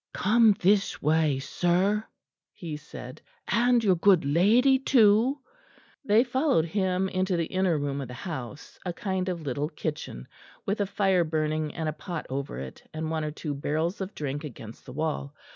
"Come this way, sir," he said, "and your good lady, too." They followed him into the inner room of the house, a kind of little kitchen, with a fire burning and a pot over it, and one or two barrels of drink against the wall.